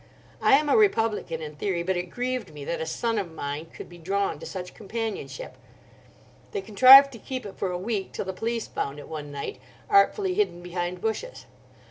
I am a Republican in theory, but it grieved me that a son of mine could be drawn to such companionship. They contrived to keep it for a week—till the police found it one night, artfully hidden behind bushes.